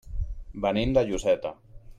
Venim de Lloseta.